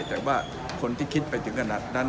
แต่ว่าคนที่คิดไปถึงกับนัด